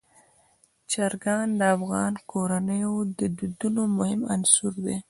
چرګان د افغان کورنیو د دودونو مهم عنصر دی.